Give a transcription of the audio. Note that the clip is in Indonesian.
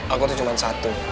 aku tuh cuma satu